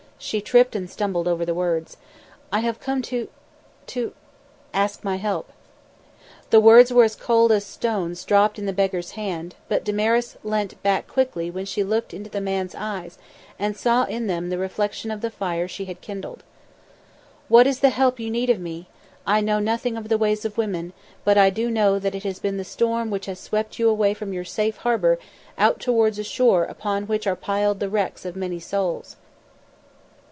She tripped and stumbled over the words. "I have come to to " "Ask my help." The words were as cold as stones dropped in the beggar's hand, but Damaris leant back quickly when she looked into the man's eyes and saw in them the reflection of the fire she had kindled. "What is the help you need of me? I know nothing of the ways of women, but I do know that it has been the storm which has swept you from your safe harbour out towards a shore upon which are piled the wrecks of many souls."